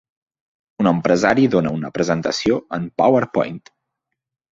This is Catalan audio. Un empresari dona una presentació en powerpoint.